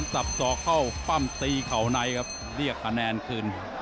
ที่เขาในครับเรียกคะแนนคืน